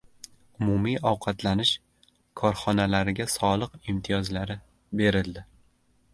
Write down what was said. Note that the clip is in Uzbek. Umumiy ovqatlanish korxonalariga soliq imtiyozlari berildi